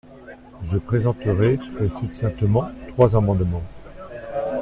Je présenterai très succinctement trois amendements.